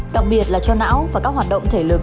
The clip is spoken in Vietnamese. đặc biệt là cho não và các hoạt động thể lực